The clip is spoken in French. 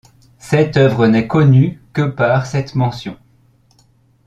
Cette œuvre n'est connue que par cette mention.